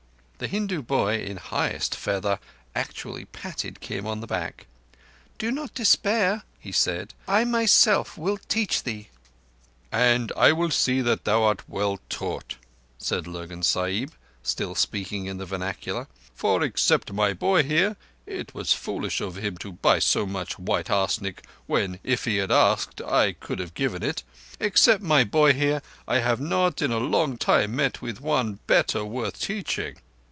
The Hindu boy, in highest feather, actually patted Kim on the back. "Do not despair," he said. "I myself will teach thee." "And I will see that thou art well taught," said Lurgan Sahib, still speaking in the vernacular, "for except my boy here—it was foolish of him to buy so much white arsenic when, if he had asked, I could have given it—except my boy here I have not in a long time met with one better worth teaching.